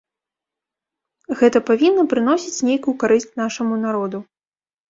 Гэта павінна прыносіць нейкую карысць нашаму народу.